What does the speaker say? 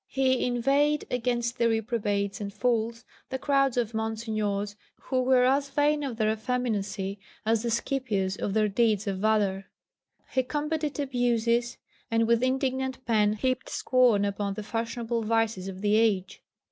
He inveighed against the reprobates and fools, the crowds of monsignors who were as vain of their effeminacy as the Scipios of their deeds of valour; he combated abuses, and with indignant pen heaped scorn upon the fashionable vices of the age.